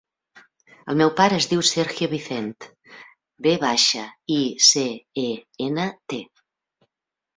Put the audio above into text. El meu pare es diu Sergio Vicent: ve baixa, i, ce, e, ena, te.